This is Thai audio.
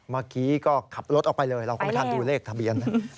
เมื่อกี้ก็ขับรถออกไปเลยเราก็ไม่ทันดูเลขทะเบียน